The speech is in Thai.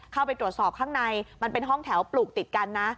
เข้าไปตรวจสอบข้างในมันเป็นห้องแถวปลูกติดกันนะ